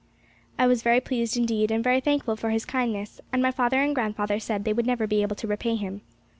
I was very pleased indeed, and very thankful for his kindness, and my father and grandfather said they would never be able to repay him.